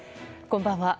こんばんは。